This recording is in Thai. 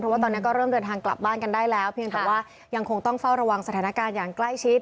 เพราะว่าตอนนี้ก็เริ่มเดินทางกลับบ้านกันได้แล้วเพียงแต่ว่ายังคงต้องเฝ้าระวังสถานการณ์อย่างใกล้ชิด